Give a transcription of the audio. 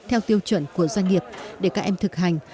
theo tiêu chuẩn của doanh nghiệp để các em thực hành